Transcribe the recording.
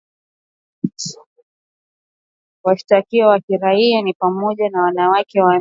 Washtakiwa wa kiraia ni pamoja na wanawake wanne.